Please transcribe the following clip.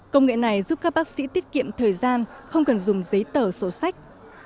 công nghệ này giúp các bác sĩ tiết kiệm thời gian không cần dùng giấy tờ sổ sách